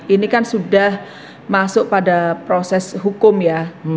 ini kan sudah masuk pada proses hukum ya